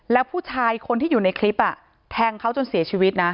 แล้วผู้ชายคนที่อยู่ในคลิปแทงเขาจนเสียชีวิตนะ